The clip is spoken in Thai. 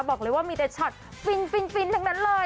บอกเลยว่ามีแต่ช็อตฟินทั้งนั้นเลย